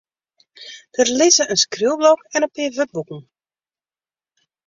Der lizze in skriuwblok en in pear wurdboeken.